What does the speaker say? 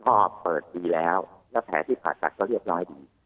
เปิดดีแล้วแล้วแผลที่ผ่าตัดก็เรียบร้อยดี